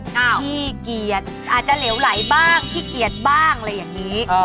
ขี้เกียจอาจจะเหลวไหลบ้างขี้เกียจบ้างอะไรอย่างนี้